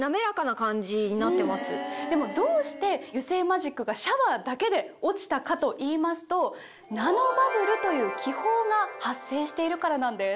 でもどうして油性マジックがシャワーだけで落ちたかといいますとナノバブルという気泡が発生しているからなんです。